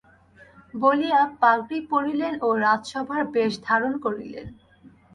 বলিয়া পাগড়ি পরিলেন ও রাজসভার বেশ ধারণ করিলেন।